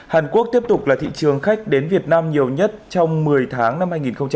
hàn quốc tiếp tục là thị trường khách đến việt nam nhiều nhất trong một mươi tháng năm hai nghìn hai mươi